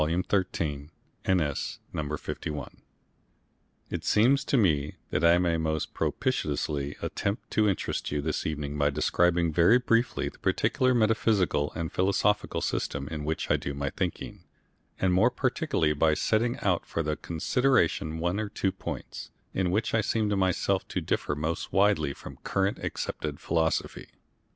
xiii. (N.S.), No. 51. (See also Chapter I., Section 6, and Chapter X., Sections 1 and 2.) It seems to me that I may most propitiously attempt to interest you this evening by describing very briefly the particular metaphysical and philosophical system in which I do my thinking, and more particularly by setting out for your consideration one or two points in which I seem to myself to differ most widely from current accepted philosophy.